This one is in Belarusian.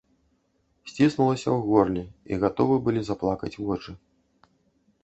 Сціснулася ў горле, і гатовы былі заплакаць вочы.